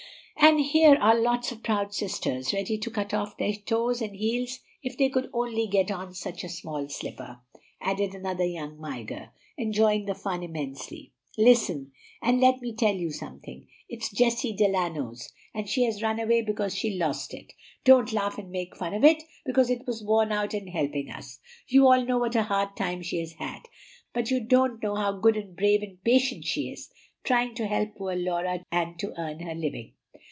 "And here are lots of proud sisters ready to cut off their toes and heels if they could only get on such a small slipper," added another young Mygar, enjoying the fun immensely. "Listen, and let me tell you something. It's Jessie Delano's, and she has run away because she lost it. Don't laugh and make fun of it, because it was worn out in helping us. You all know what a hard time she has had, but you don't know how good and brave and patient she is, trying to help poor Laura and to earn her living.